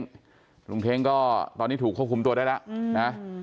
ปกติลุงเท้งก็ตอนนี้ถูกควบคุมตัวได้แหละ